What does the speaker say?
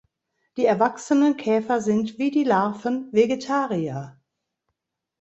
Die erwachsenen Käfer sind wie die Larven Vegetarier.